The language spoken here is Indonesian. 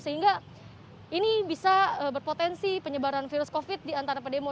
sehingga ini bisa berpotensi penyebaran virus covid diantara pedemo